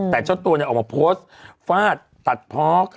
แต่ชดตัวเนี่ยออกมาโพสต์ฟาดตัดพล็อก